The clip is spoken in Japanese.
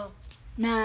なあ？